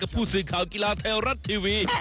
กับผู้สื่อข่าวกีฬาแถวรัดทีวี